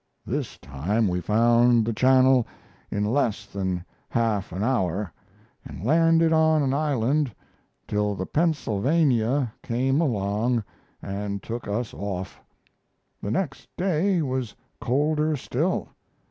This time we found the channel in less than half an hour, and landed on an island till the Pennsylvania came along and took us off. The next day was colder still.